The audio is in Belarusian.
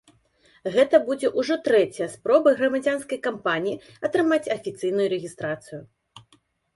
Гэта будзе ўжо трэцяя спроба грамадзянскай кампаніі атрымаць афіцыйную рэгістрацыю.